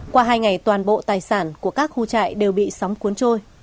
qua hai ngày toàn bộ tài sản của các khu trại đều bị sóng cuốn trôi